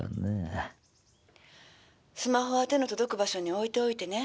「スマホは手の届く場所に置いておいてね。